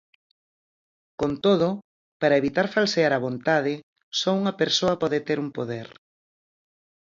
Con todo, para evitar falsear a vontade, só unha persoa pode ter un poder.